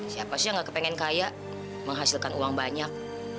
siapa sih yang gak kepengen kaya menghasilkan uang banyak